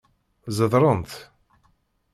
Zedrent.